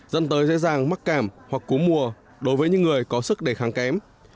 dân tới dễ dàng mắc cảm hoặc cú mùa đối với những người có sức để kháng kém